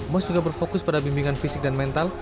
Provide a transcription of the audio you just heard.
mas juga berfokus pada bimbingan fisik dan mental